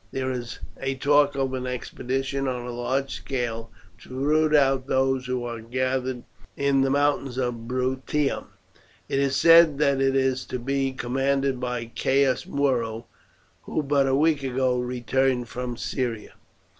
There is a talk of an expedition on a large scale, to root out those who are gathered in the mountains of Bruttium. It is said that it is to be commanded by Caius Muro, who but a week ago returned from Syria.'"